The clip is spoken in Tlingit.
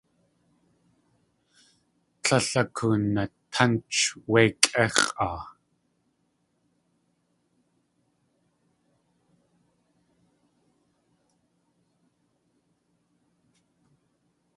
Tlél akoonatánch wé kʼéx̲ʼaa.